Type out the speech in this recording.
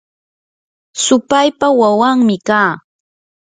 supaypa wawanmi kaa.